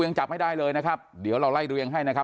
ยังจับไม่ได้เลยนะครับเดี๋ยวเราไล่เรียงให้นะครับ